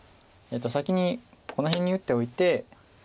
先にこの辺に打っておいて。